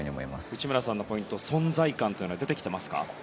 内村さんのポイント存在感というのは出てきていますか？